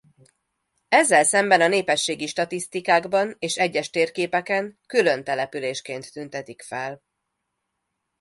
Ezzel szemben a népességi statisztikákban és egyes térképeken külön településként tüntetik fel.